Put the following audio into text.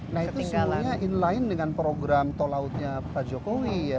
nah itu semuanya in line dengan program tol lautnya pak jokowi ya